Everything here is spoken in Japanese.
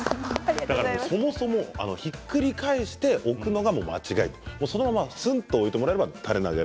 そもそもひっくり返して置くのが間違いそのまますんと置いていただければいいと。